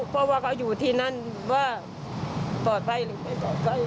เพราะว่าเขาอยู่ที่นั่นว่าปลอดภัยหรือไม่ปลอดภัย